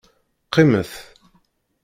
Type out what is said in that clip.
Qqimet.